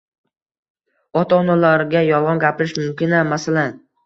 Ota-onalarga yolg'on gapirish mumkin-a?! Masalan